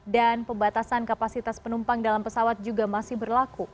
dan pembatasan kapasitas penumpang dalam pesawat juga masih berlaku